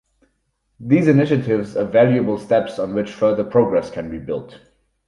These initiatives are valuable steps on which further progress can be built.